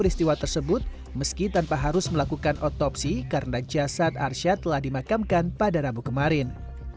peristiwa tersebut meski tanpa harus melakukan otopsi karena jasad arsyad telah dimakamkan pada rabu kemarin